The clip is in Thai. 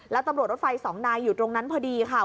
แล้วตำรวจรถไฟสองนายอยู่ตรงนั้นพอดีค่ะ